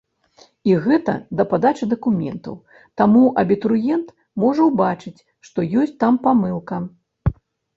І гэта да падачы дакументаў, таму абітурыент можа ўбачыць, што ёсць там памылка.